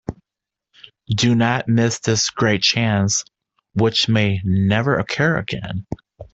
Do not miss this great chance, which may never occur again.